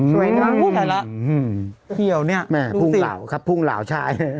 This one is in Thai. สวยนะพูดถ่ายแล้วเฮียวนี่ดูสิครับพุ่งเหล่าพุ่งเหล่าใช่